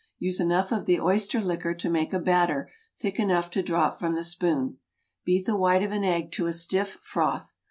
Use enough of the oyster liquor to make a batter thick enough to drop from the spoon. Beat the white of an egg to a stiff froth.